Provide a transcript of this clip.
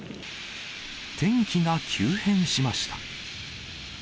天気が急変しました。